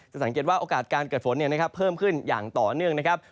สังเกตว่าโอกาสการเกิดฝนเพิ่มขึ้นอย่างต่อเนื่องนะครับ